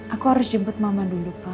aku harus jemput mama dulu pak